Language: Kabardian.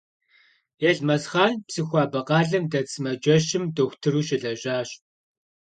Елмэсхъан Псыхуабэ къалэм дэт сымаджэщым дохутыру щылэжьащ.